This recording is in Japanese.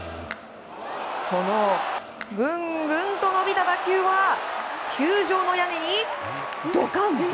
このグングンと伸びた打球は球場の屋根に、ドカン！